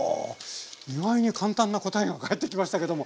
意外に簡単な答えが返ってきましたけども。